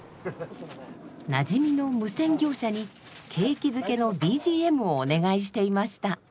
なじみの無線業者に景気づけのＢＧＭをお願いしていました。